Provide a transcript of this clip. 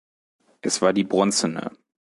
Es war die bronzene.